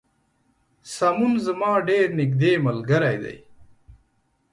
سمون زما ډیر نږدې ملګری دی